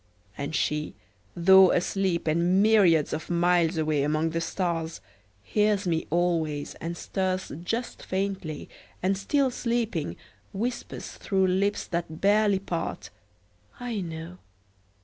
And she, though asleep and myriads of miles away among the stars, hears me always and stirs just faintly, and still sleeping whispers through lips that barely part, "I know!"